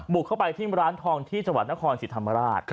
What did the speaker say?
บุกเข้าไปที่ร้านทองที่จังหวัดนครสิรรษะมราช